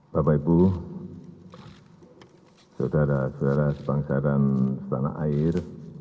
bapak ibu saudara saudara sebangsa dan setanah air